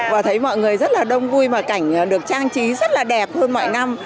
và thấy mọi người rất là đông vui mà cảnh được trang trí rất là đẹp hơn mọi năm